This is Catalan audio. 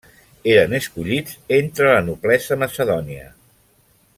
Eren escollits entre la noblesa macedònia.